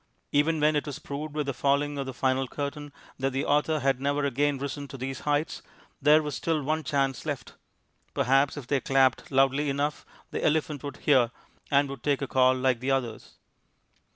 Even when it was proved, with the falling of the final curtain, that the author had never again risen to these heights, there was still one chance left. Perhaps if they clapped loudly enough, the elephant would hear, and would take a call like the others.